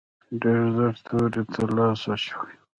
ډېر ژر تورې ته لاس اچوو.